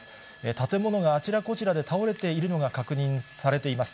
建物があちらこちらで倒れているのが確認されています。